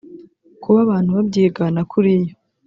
Kuba abantu babyigana kuriya